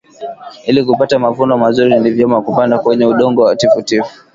ili kupata mavuno mazuri ni vyema kupanda kwenye udongo wa tifutifu